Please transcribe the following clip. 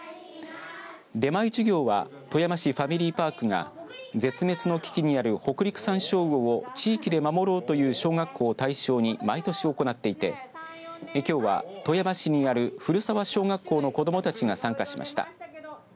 出前授業は富山市ファミリーパークが絶滅の危機にあるホクリクサンショウウオを地域で守ろうという小学校を対象に、毎年行っていてきょうは富山市にある古沢小学校の子どもたちが参加しました。